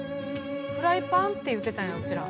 フライパンって言ってたんやうちら。